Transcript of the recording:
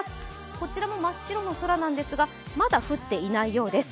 こちらも真っ白な空なんですが、まだ降っていないようです。